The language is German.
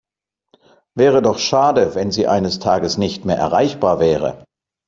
Wäre doch schade, wenn Sie eines Tages nicht mehr erreichbar wäre.